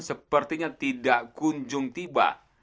sepertinya tidak kunjung tiba